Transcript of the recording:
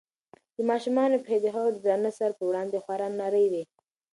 د ماشوم پښې د هغه د درانه سر په وړاندې خورا نرۍ وې.